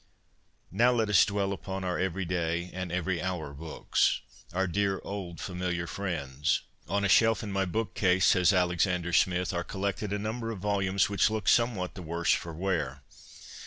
Now let us dwell upon our every day and every hour books — our dear old familiar friends. ' On a shelf in my bookcase/ says Alexander Smith, ' are collected a number of volumes which look somewhat the worse for wear.